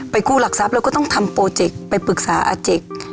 ไปกู้หลักทรัพย์เราก็ต้องทำโปรเจคไปปรึกษาอาเจค